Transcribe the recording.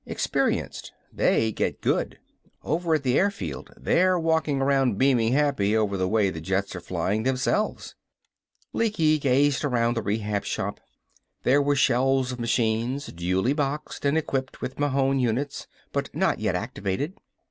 Experienced. They get good! Over at the airfield they're walking around beaming happy over the way the jets are flyin' themselves." Lecky gazed around the Rehab Shop. There were shelves of machines, duly boxed and equipped with Mahon units, but not yet activated.